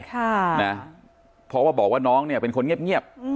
ค่ะน่ะเพราะว่าบอกว่าน้องเนี้ยเป็นคนเงียบเงียบอืม